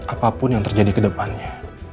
apapun yang terjadi ke depannya